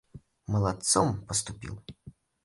Молодцом поступил!